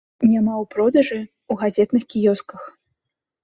Няма ў продажы ў газетных кіёсках.